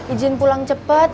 ijin pulang cepet